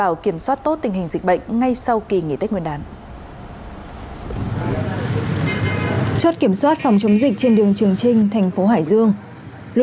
và cũng rất mong là